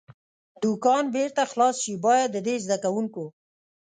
دوکان بېرته خلاص شي، باید د دې زده کوونکو.